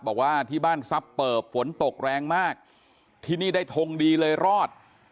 บอกว่าที่บ้านซับเปิบฝนตกแรงมากที่นี่ได้ทงดีเลยรอด